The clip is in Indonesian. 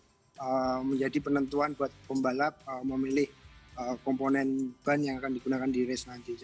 jadi menurut saya itu akan menjadi penentuan buat pembalap memilih komponen ban yang akan digunakan di race nanti